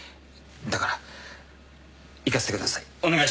だから行かせてください。